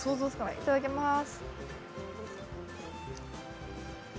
いただきます。